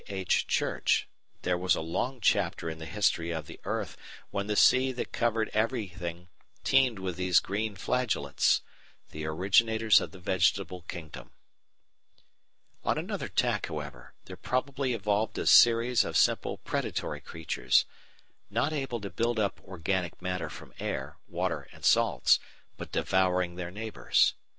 H. Church there was a long chapter in the history of the earth when the sea that covered everything teemed with these green flagellates the originators of the Vegetable Kingdom. On another tack, however, there probably evolved a series of simple predatory creatures, not able to build up organic matter from air, water, and salts, but devouring their neighbours.